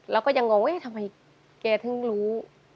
เราก็ยังงงว่าทำไมแกทั้งรู้